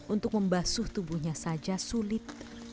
untuk membasuh tubuhnya saja sulit